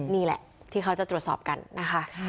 นี่แหละที่เขาจะตรวจสอบกันนะคะ